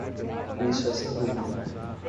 Isso é sem dúvida.